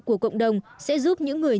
của cộng đồng sẽ giúp những người